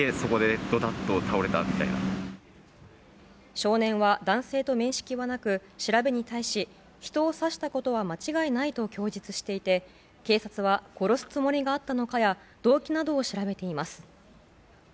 少年は男性と面識はなく調べに対し人を刺したことは間違いないと供述していて警察は殺すつもりがあったのかや動機などを調べています。